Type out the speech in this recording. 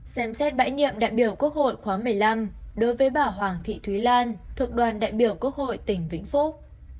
xem xét bãi nhiệm đại biểu quốc hội khóa một mươi năm đối với bà hoàng thị thúy lan thuộc đoàn đại biểu quốc hội tỉnh vĩnh phúc